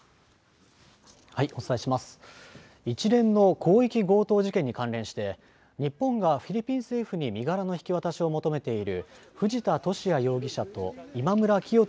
広域強盗事件に関連して、日本がフィリピン政府に身柄の引き渡しを求めている藤田聖也容疑者と今村磨人